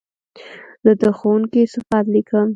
زه د ښوونکي صفت لیکم.